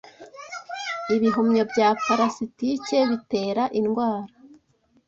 Ibihumyo bya parasitike bitera i ndwara